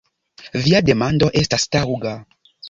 Via demando estas taŭga.